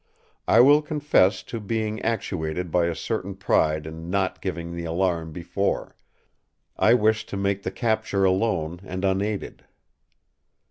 I will confess to being actuated by a certain pride in not giving the alarm before; I wished to make the capture alone and unaided.